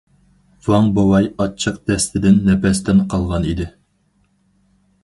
ۋاڭ بوۋاي ئاچچىق دەستىدىن نەپەستىن قالغان ئىدى.